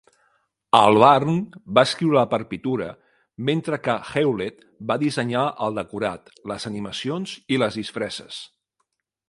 Albarn va escriure la partitura mentre que Hewlett va dissenyar el decorat, les animacions i les disfresses.